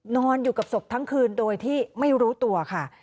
นอนอยู่กับศพทั้งคืนโดยที่ไม่รู้ตัวค่ะ